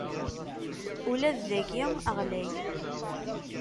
Ula d dayi ɣlay.